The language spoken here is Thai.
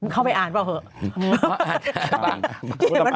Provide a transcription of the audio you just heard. เข้าไปอ่านเปล่าเถอะ